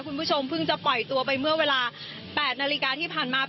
คุณผู้ชมเพิ่งจะปล่อยตัวไปเมื่อเวลา๘นาฬิกาที่ผ่านมา